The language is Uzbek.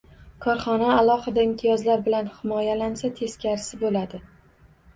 Korxona alohida imtiyozlar bilan himoyalansa – teskarisi bo‘ladi.